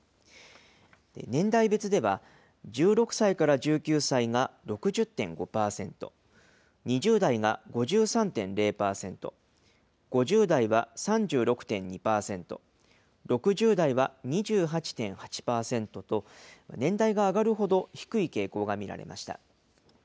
年代別では、１６歳から１９歳が６０．５％、２０代が５３．０％、５０代は３６．２％、６０代は２８．８％と、年代が上がるほど、低い傾向が見られました。